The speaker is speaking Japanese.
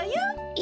え！？